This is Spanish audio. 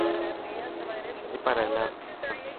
Espacio para el Arte.